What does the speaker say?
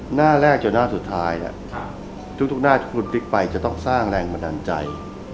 หน้าแรกจนหน้าสุดท้ายทุกหน้าที่คุณติ๊กไปจะต้องสร้างแรงบันดาลใจ